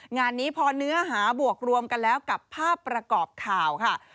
งานนี้พอเนื้อหาบวกรวมกันแล้วกับภาพประกอบข่าวค่ะ